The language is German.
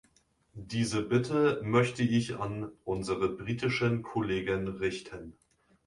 Diese Bitte möchte ich an unsere britischen Kollegen richten.